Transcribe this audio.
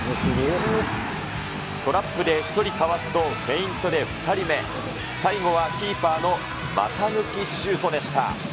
トラップで１人かわすと、フェイントで２人目、最後はキーパーの股抜きシュートでした。